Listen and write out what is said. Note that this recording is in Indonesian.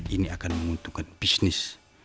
ini akan menguntungkan bisnis